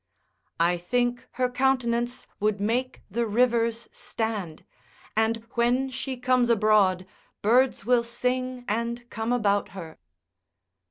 I think her countenance would make the rivers stand, and when she comes abroad, birds will sing and come about her.